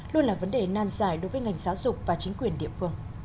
luôn là vấn đề nan dài đối với ngành giáo dục và chính quyền địa phương